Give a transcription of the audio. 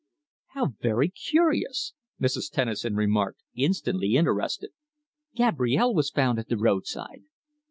"How very curious!" Mrs. Tennison remarked, instantly interested. "Gabrielle was found at the roadside.